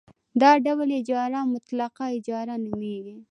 دا ډول اجاره مطلقه اجاره نومېږي